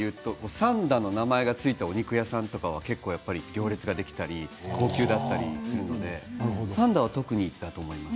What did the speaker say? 三田の名前が付いたお肉屋さんとかは結構行列ができたり、高級だったりするので三田は特にだと思います。